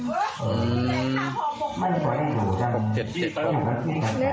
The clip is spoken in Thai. อืม